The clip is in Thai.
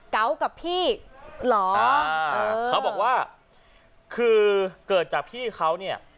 เกาะกับพี่เหรออ่าเขาบอกว่าคือเกิดจากพี่เขาเนี่ย